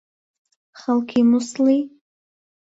خەڵکی مووسڵی؟